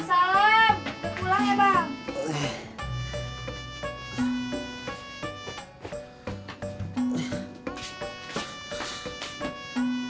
udah pulang ya bang